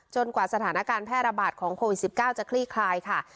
กว่าสถานการณ์แพร่ระบาดของโควิด๑๙จะคลี่คลายค่ะ